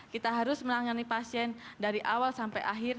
kita harus menangani pasien dari awal sampai akhir